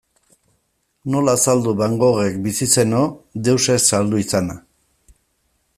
Nola azaldu Van Goghek, bizi zeno, deus ez saldu izana?